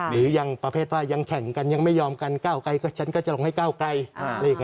หรือยังประเภทว่ายังแข่งกันยังไม่ยอมกันก้าวไกลก็ฉันก็จะลงให้ก้าวไกล